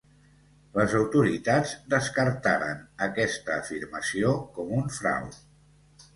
Les autoritats descartaren aquesta afirmació com un frau.